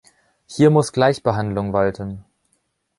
Hier muss Gleichbehandlung walten.